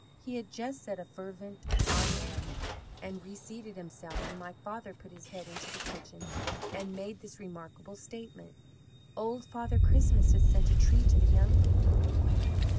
He had just said a fervent 'amen,' and reseated himself, when my father put his head into the kitchen, and made this remarkable statement: "'Old Father Christmas has sent a tree to the young people.'